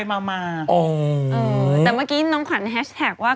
แต่เมื่อกี้น้องขวัญแฮชแท็กว่า